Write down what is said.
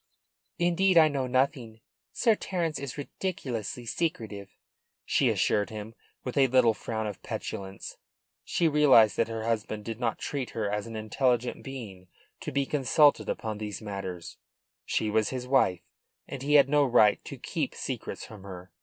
"Indeed, I know nothing. Sir Terence is ridiculously secretive," she assured him, with a little frown of petulance. She realised that her husband did not treat her as an intelligent being to be consulted upon these matters. She was his wife, and he had no right to keep secrets from her.